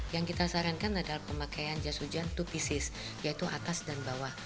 yang kita sarankan adalah pemakaian jas hujan dua peaces yaitu atas dan bawah